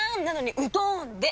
なのにうどーん！